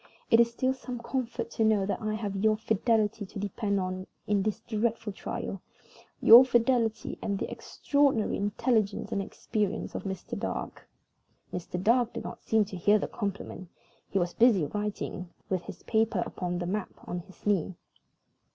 It is still some comfort to know that I have your fidelity to depend on in this dreadful trial your fidelity and the extraordinary intelligence and experience of Mr. Dark." Mr. Dark did not seem to hear the compliment. He was busy writing, with his paper upon the map on his knee.